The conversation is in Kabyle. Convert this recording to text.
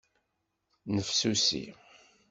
Nnefsusi.